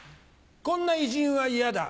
こんな偉人はイヤだ。